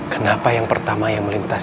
kenapa yang pertama yang melintas